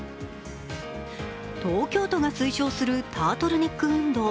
東京都が推奨するタートルネック運動。